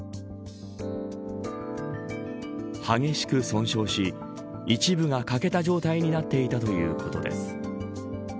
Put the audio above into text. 激しく損傷し一部が欠けた状態になっていたということです。